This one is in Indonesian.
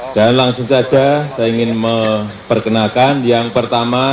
dan langsung saja saya ingin memperkenalkan yang pertama